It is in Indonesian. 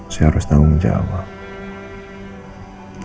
saya harus tanggung jawab